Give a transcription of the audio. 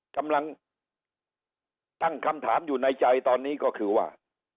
กำลังตั้งคำถามอยู่ในใจตอนนี้ก็คือว่า